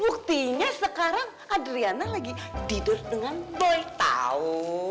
buktinya sekarang adriana lagi tidur dengan boy tahu